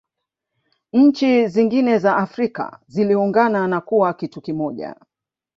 nchi nyingin za afrika ziliungana na kuwa kitu kimoja